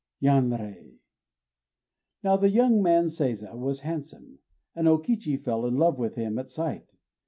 Yanrei! Now the young man Seiza was handsome; and O Kichi fell in love with him at sight.